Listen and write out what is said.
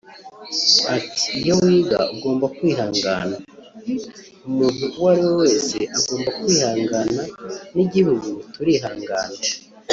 Ati “Iyo wiga ugomba kwihangana…umuntu uwo ari wese agomba kwihangana n’igihugu turihangana